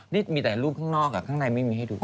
นี่มีแต่รูปข้างนอกข้างในไม่มีให้ดู